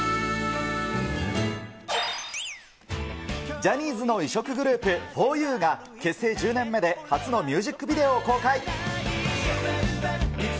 ジャニーズの異色グループ、ふぉゆが、結成１０年目で初のミュージックビデオを公開。